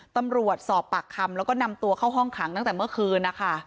ตำรวจสอบปากคำแล้วก็นำตัวเข้าห้องขังตั้งแต่เมื่อคืนนะคะ